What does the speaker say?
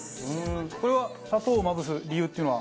これは砂糖をまぶす理由っていうのは？